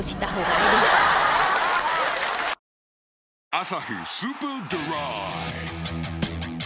「アサヒスーパードライ」